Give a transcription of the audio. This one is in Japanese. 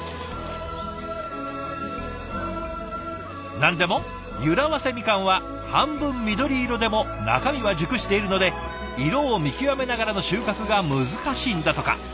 何でもゆら早生みかんは半分緑色でも中身は熟しているので色を見極めながらの収穫が難しいんだとか。